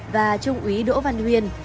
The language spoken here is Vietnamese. và trung úy đỗ văn huyên